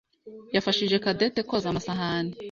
yafashije Cadette koza amasahani.